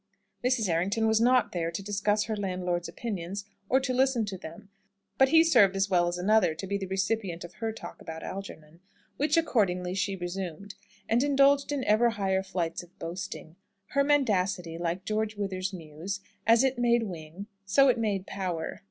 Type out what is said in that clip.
Mrs. Errington was not there to discuss her landlord's opinions or to listen to them; but he served as well as another to be the recipient of her talk about Algernon, which accordingly she resumed, and indulged in ever higher flights of boasting. Her mendacity, like George Wither's muse, As it made wing, so it made power.